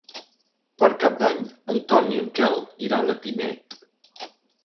Per Cap d'Any en Ton i en Quel iran a Pinet.